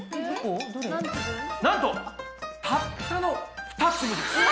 なんとたったの２粒です。え！